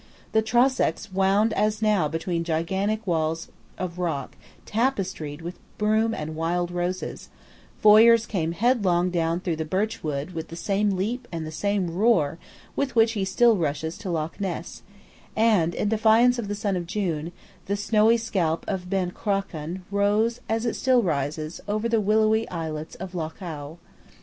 The Trosachs wound as now between gigantic walls of rock tapestried with broom and wild roses: Foyers came headlong down through the birchwood with the same leap and the same roar with which he still rushes to Loch Ness; and, in defiance of the sun of June, the snowy scalp of Ben Cruachan rose, as it still rises, over the willowy islets of Loch Awe.